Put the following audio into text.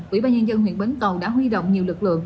ủy ban nhân dân huyện bến cầu đã huy động nhiều lực lượng